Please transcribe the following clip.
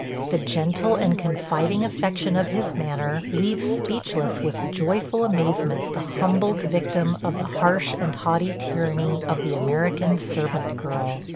The gentle and confiding affection of his manner leaves speechless with joyful amazement the humbled victim of the harsh and haughty tyranny of the American servant girl.